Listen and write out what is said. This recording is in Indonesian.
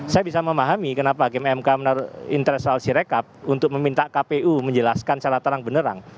saya bisa memahami kenapa hakim mk menurut interest sirekap untuk meminta kpu menjelaskan secara terang benerang